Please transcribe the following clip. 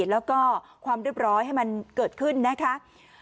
แล้วก็ความเรียบร้อยให้มันเกิดขึ้นนะคะ